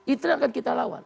itu yang akan kita lawan